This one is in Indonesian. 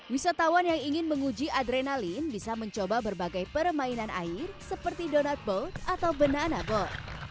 wisatawan yang ingin menguji adrenalin bisa mencoba berbagai permainan air seperti donat boat atau benana boat